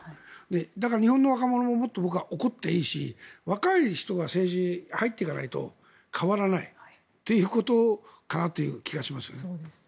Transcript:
だから日本の若者はもっと怒っていいし若い人が政治に入っていかないと変わらないということかなという気がします。